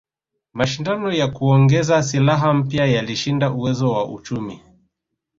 Mashindano ya kuongeza silaha mpya yalishinda uwezo wa uchumi